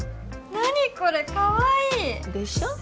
何これかわいいでしょ？